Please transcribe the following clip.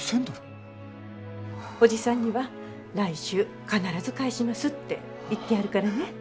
おじさんには来週必ず返しますって言ってあるからね。